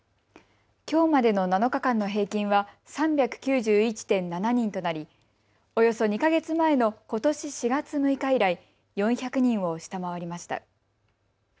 きょうまでの７日間の平均は３９１．７人となり、およそ２か月前のことし４月６日以来、４００人を下回りました。